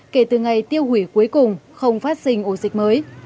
kể từ ngày tiêu hủy cuối cùng không phát sinh ổ dịch mới